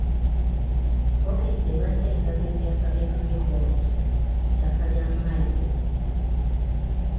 Ofiisi ebadde egaba ebyapa bya freehold ku ttaka lya Mmayiro.